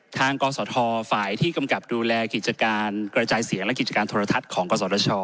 กศธฝ่ายที่กำกับดูแลกิจการกระจายเสียงและกิจการโทรทัศน์ของกศช